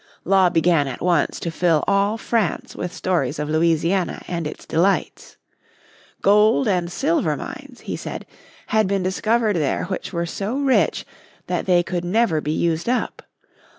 Law began at once to fill all France with stories of Louisiana and its delights. Gold and silver mines, he said, had been discovered there which were so rich that they could never be used up.